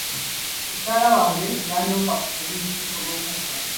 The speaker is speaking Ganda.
Mukyala wange yandoopa ku poliisi olw'okumukuba.